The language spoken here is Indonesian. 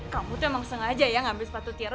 kamu tuh emang sengaja ya ngambil sepatu tira